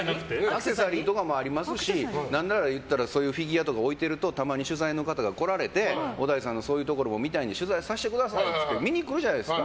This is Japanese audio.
アクセサリーとかもありますし何ならそういうフィギュアとか置いてるとたまに取材の方が来られて小田井さんのそういうところ見たいので取材させてくださいって見に来るじゃないですか。